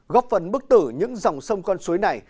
góp phần bức tử những dòng sông con suối này